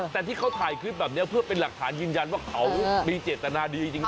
แต่ที่เขาถ่ายคลิปแบบนี้เพื่อเป็นหลักฐานยืนยันว่าเขามีเจตนาดีจริง